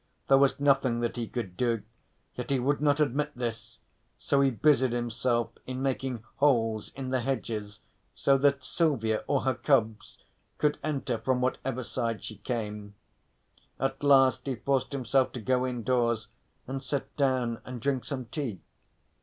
There was nothing that he could do, yet he would not admit this, so he busied himself in making holes in the hedges, so that Silvia (or her cubs) could enter from whatever side she came. At last he forced himself to go indoors and sit down and drink some tea.